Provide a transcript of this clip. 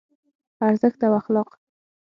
ارزښت او اخلاق